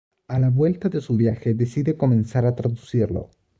A la vuelta de su viaje decide comenzar a traducirlo.